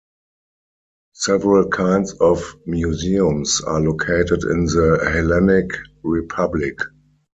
Several kinds of museums are located in the Hellenic Republic.